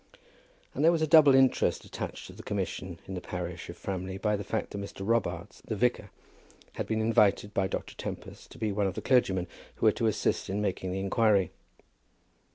And there was a double interest attached to the commission in the parish of Framley by the fact that Mr. Robarts, the vicar, had been invited by Dr. Tempest to be one of the clergymen who were to assist in making the inquiry.